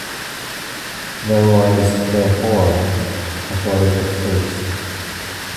There was, therefore, a shortage of space.